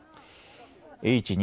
Ｈ２